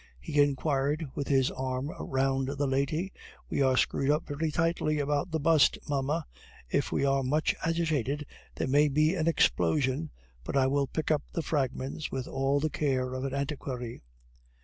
he inquired, with his arm round the lady; "we are screwed up very tightly about the bust, mamma! If we are much agitated, there may be an explosion; but I will pick up the fragments with all the care of an antiquary."